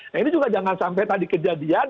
nah ini juga jangan sampai tadi kejadian